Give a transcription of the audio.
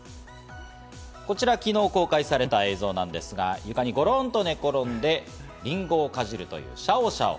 こちら、昨日公開された映像なんですが、床に、ごろんと寝転んでリンゴをかじるというシャオシャオ。